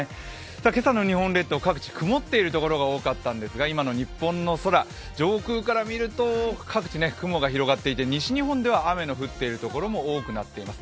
今朝の日本列島、各地で曇っていたところが多かったんですが今の日本の空、上空から見ると各地雲が広がっていて西日本では雨の降っているところも多くなりました。